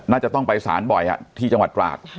น่าจะต้องไปสารบ่อยที่จังหวัดตราด